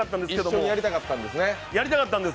一緒にやりたかったんです。